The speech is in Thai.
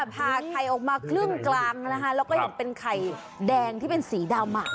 ผ่าไข่ออกมาครึ่งกลางนะคะแล้วก็เห็นเป็นไข่แดงที่เป็นสีดำ